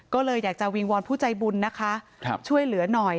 ก็เลยอยากจะวิงวอนผู้ใจบุญนะคะช่วยเหลือหน่อย